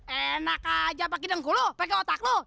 enak aja pakai dengkul lu pakai otak lu